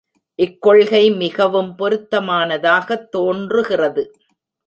இக்கொள்கை மிகவும் பொருத்தமானதாகத் தோன்றுகிறது.